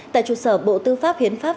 tại trụ sở bộ tư pháp hiến pháp